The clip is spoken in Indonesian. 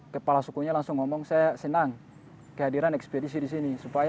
kepala sukunya langsung ngomong saya senang kehadiran ekspedisi di sini